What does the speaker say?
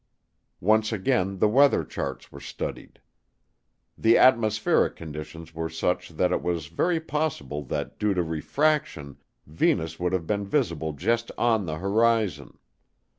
Once again the weather charts were studied. The atmospheric conditions were such that it was very possible that due to refraction Venus would have been visible just on the horizon.